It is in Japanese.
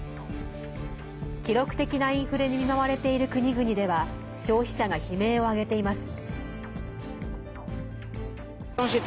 記録的なインフレに見舞われている国々では消費者が悲鳴を上げています。